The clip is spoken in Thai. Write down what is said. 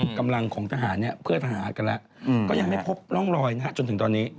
อนุญาตของทหารไม่พบอยู่ที่ร่องรอยจนถึงตอนนี้